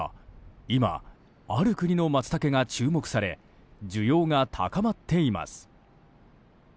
今、ある国のマツタケが注目され需要が高まっています。